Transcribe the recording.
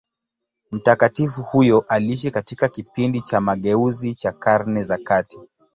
Mtakatifu huyo aliishi katika kipindi cha mageuzi cha Karne za kati.